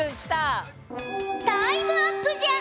タイムアップじゃ！